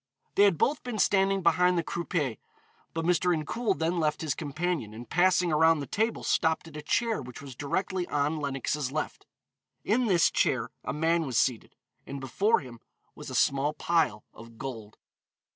They had both been standing behind the croupier, but Mr. Incoul then left his companion, and passing around the table stopped at a chair which was directly on Lenox's left. In this chair a man was seated, and before him was a small pile of gold.